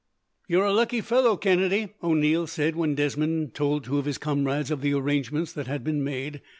"You are a lucky fellow, Kennedy," O'Neil said, when Desmond told his two comrades of the arrangements that had been made.